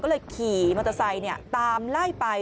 ก็เลยขี่มอเตอร์ไซค์ตามไล่ไป